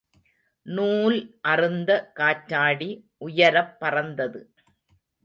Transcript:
நூல் அறுந்த காற்றாடி உயரப் பறந்தது.